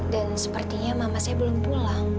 dan sepertinya mama saya belum pulang